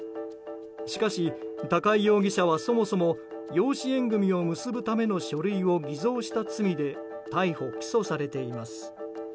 しかし、高井容疑者はそもそも養子縁組を結ぶための書類を偽造した罪で逮捕・起訴されています。